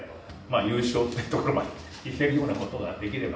優勝っていうところまでいけるようなことができれば。